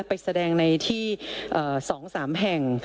ไปแสดงในที่๒๓แห่ง